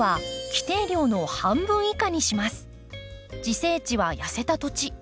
自生地は痩せた土地。